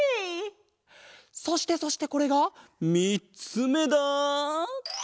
そしてそしてこれがみっつめだ！